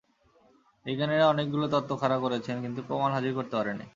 বিজ্ঞানীরা অনেকগুলো তত্ত্ব খাড়া করেছেন, কিন্তু প্রমাণ হাজির করতে পারেননি।